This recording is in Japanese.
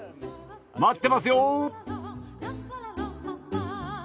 待ってますよ。